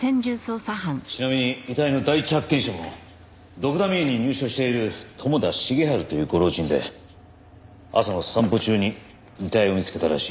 ちなみに遺体の第一発見者もドクダミ園に入所している友田重治というご老人で朝の散歩中に遺体を見つけたらしい。